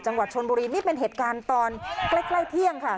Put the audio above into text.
จังหวัดชนบุรีนี่เป็นเหตุการณ์ตอนใกล้เที่ยงค่ะ